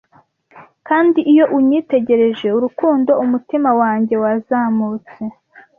Kandi iyo unyitegereje urukundo, umutima wanjye wazamutse.